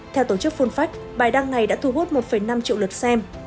theo tổ chức full fact bài đăng này đã thu hút một năm triệu lượt xem